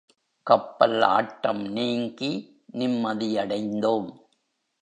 கப்பல் ஆட்டம் நீங்கி, நிம்மதியடைந்தோம்.